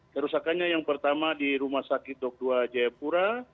kerusakannya yang pertama di rumah sakit dok dua jayapura